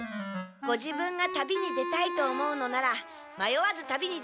ご自分が旅に出たいと思うのならまよわず旅に出るべきです。